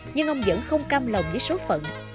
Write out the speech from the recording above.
nhưng ông vẫn không cam lòng với số phận